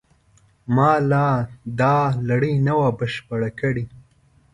ما لا دا لړۍ نه وه بشپړه کړې.